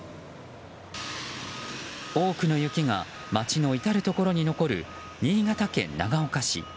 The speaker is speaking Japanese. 多くの雪が街の至るところに残る新潟県長岡市。